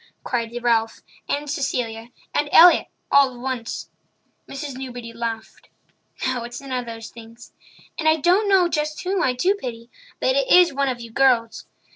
cried Ralph and Cecilia and Elliott all at once. Mrs. Newbury laughed. "No, it's none of those things. And I don't know just whom I do pity, but it is one of you girls.